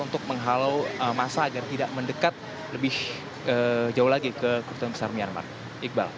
untuk menghalau masa agar tidak mendekat lebih jauh lagi ke kedutaan besar myanmar iqbal